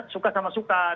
suka sama suka